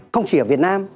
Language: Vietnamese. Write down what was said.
không chỉ ở việt nam